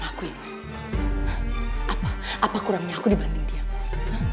akhirnya aku dibanding dia mas